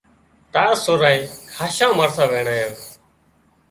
تار سورانئين کاشان مرسان وينڻيان